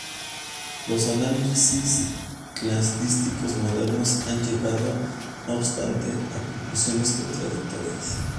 Los análisis cladísticos modernos han llegado, no obstante, a conclusiones contradictorias.